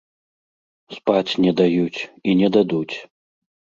Спаць не даюць, і не дадуць.